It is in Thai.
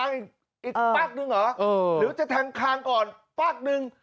อีกปั๊กหนึ่งหรอหรือว่าจะแทงคลางก่อนปั๊กหนึ่ง